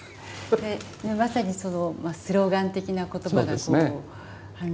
まさにそのスローガン的な言葉がこう氾濫していた。